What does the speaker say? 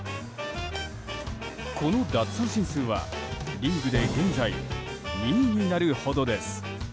この奪三振数はリーグで現在２位になるほどです。